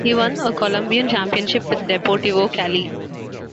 He won a Colombian championship with Deportivo Cali.